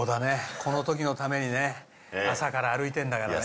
この時のためにね朝から歩いてんだからね